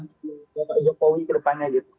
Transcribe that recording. untuk bapak jokowi ke depannya gitu